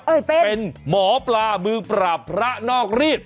เออเป็นเป็นหมอปลามือปราบพระนอกรีด